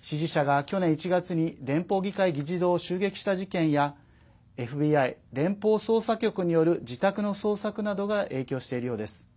支持者が去年１月に連邦議会議事堂を襲撃した事件やＦＢＩ＝連邦捜査局による自宅の捜索などが影響しているようです。